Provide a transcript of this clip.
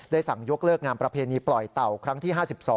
สั่งยกเลิกงานประเพณีปล่อยเต่าครั้งที่๕๒